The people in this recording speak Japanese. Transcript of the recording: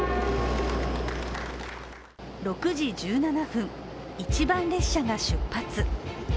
６時１７分、一番列車が出発。